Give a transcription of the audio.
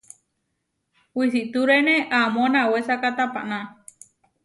Wisitúrene amó nawésaka tapaná.